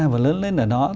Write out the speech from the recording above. và lớn lên ở đó